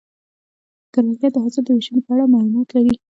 کروندګر د حاصل د ویشنې په اړه معلومات لري